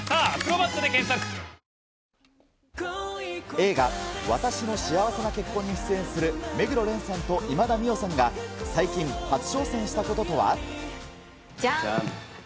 映画、わたしの幸せな結婚に出演する目黒蓮さんと今田美桜さんが最近初じゃん。